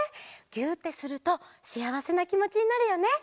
ぎゅってするとしあわせなきもちになるよね。